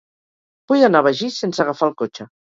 Vull anar a Begís sense agafar el cotxe.